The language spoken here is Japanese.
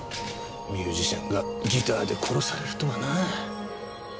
ミュージシャンがギターで殺されるとはな。